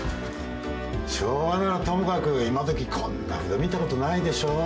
昭和ならともかく今どきこんな札見たことないでしょ？